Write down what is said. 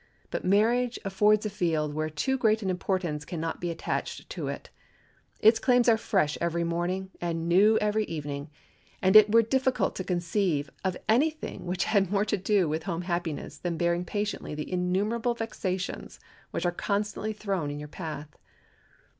But marriage affords a field where too great an importance can not be attached to it. Its claims are fresh every morning and new every evening, and it were difficult to conceive of any thing which had more to do with home happiness than bearing patiently the innumerable vexations which are constantly thrown in your path.